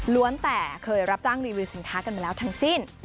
แต่เคยรับจ้างรีวิวสินค้ากันมาแล้วทั้งสิ้น